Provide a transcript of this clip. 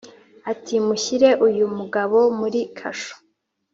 ati mushyire uyu mugabo muri kasho